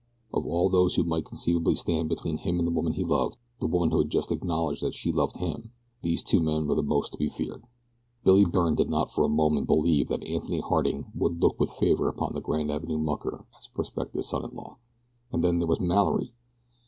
Of all those who might conceivably stand between him and the woman he loved the woman who had just acknowledged that she loved him these two men were the most to be feared. Billy Byrne did not for a moment believe that Anthony Harding would look with favor upon the Grand Avenue mucker as a prospective son in law. And then there was Mallory!